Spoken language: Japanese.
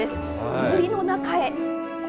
森の中へ。